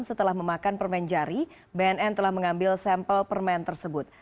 setelah memakan permen jari bnn telah mengambil sampel permen tersebut